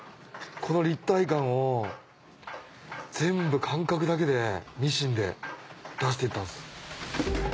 この立体感を全部感覚だけでミシンで出していったんです。